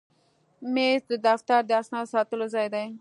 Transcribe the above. مېز د دفتر د اسنادو ساتلو ځای دی.